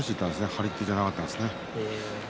張り手じゃなかったんですね。